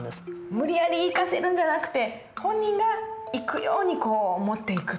無理やり行かせるんじゃなくて本人が行くようにこう持っていくと。